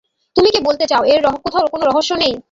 তুমি কি বলতে চাও, এর কোথাও কোনো রহস্য নেই?